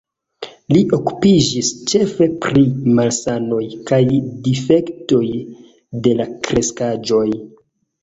Li okupiĝis ĉefe pri malsanoj kaj difektoj de la kreskaĵoj.